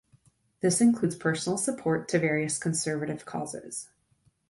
This includes personal support to various conservative causes.